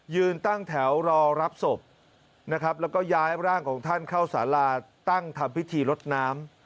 ยืนตั้งแถวรอรับศพนะครับแล้วก็ย้ายร่างของท่านเข้าสาราตั้งทำพิธีลดน้ำ